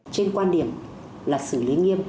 trên quan điểm là xử lý nghiêm